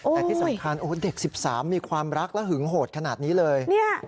แต่ที่สำคัญโอ้เด็กสิบสามมีความรักและหึงโหดขนาดนี้เลยเนี่ย